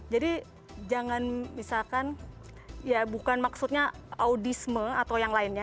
jadi jangan misalkan ya bukan maksudnya audisme atau yang lainnya